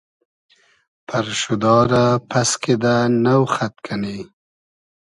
پئرشودا رۂ پئس کیدۂ نۆ خئد کئنی